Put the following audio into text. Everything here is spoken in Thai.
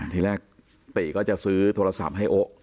ทีแรกติก็จะซื้อโทรศัพท์ให้โอ๊ะ